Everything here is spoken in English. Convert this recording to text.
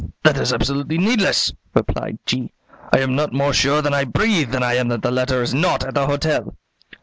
"That is absolutely needless," replied G . "I am not more sure that I breathe than I am that the letter is not at the hotel."